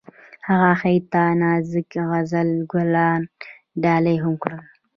هغه هغې ته د نازک غزل ګلان ډالۍ هم کړل.